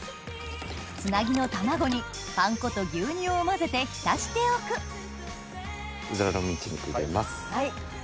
つなぎの卵にパン粉と牛乳を混ぜて浸しておくうずらのミンチ肉入れます。